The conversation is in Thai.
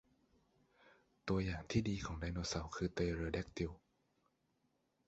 ตัวอย่างที่ดีของไดโนเสาร์คือพเตเรอแดกติล